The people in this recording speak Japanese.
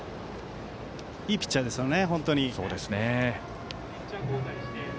いいピッチャーですね。